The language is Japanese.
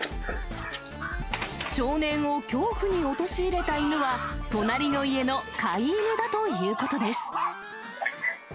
少年を恐怖に陥れた犬は、隣の家の飼い犬だということです。